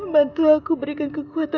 bantu aku berikan kekuatan